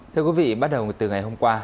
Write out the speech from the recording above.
thưa quý vị bắt đầu từ ngày hôm qua